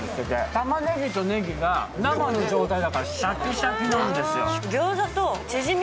たまねぎとねぎが生の状態だからシャキシャキなんですよ。